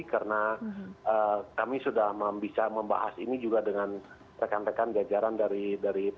karena kami sudah bisa membahas ini juga dengan rekan rekan jajaran dari polres